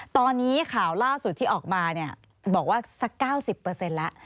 ตอนนี้ข่าวล่าสุดที่ออกมาบอกว่าสัก๙๐แล้ว